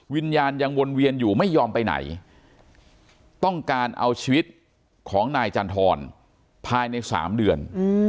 วิญญาณยังวนเวียนอยู่ไม่ยอมไปไหนต้องการเอาชีวิตของนายจันทรภายใน๓เดือน